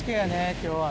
今日はね。